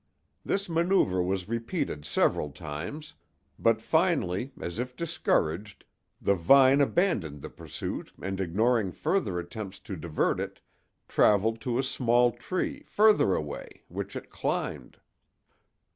This manœuvre was repeated several times, but finally, as if discouraged, the vine abandoned the pursuit and ignoring further attempts to divert it traveled to a small tree, further away, which it climbed.